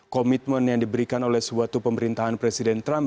komitmen yang diberikan oleh suatu pemerintahan presiden trump